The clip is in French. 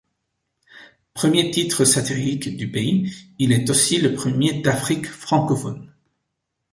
Premier titre satirique du pays, il est aussi le premier d'Afrique francophone.